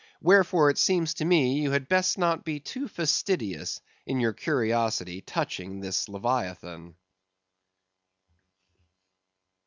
Wherefore, it seems to me you had best not be too fastidious in your curiosity touching this Leviathan.